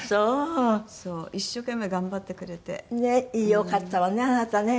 よかったわねあなたね。